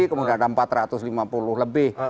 kemudian ada empat ratus lima puluh lebih